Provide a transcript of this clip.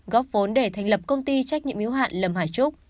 góp vốn để thành lập công ty trách nhiệm yếu hạn lâm hải trúc